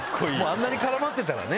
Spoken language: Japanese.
あんなに絡まってたらね。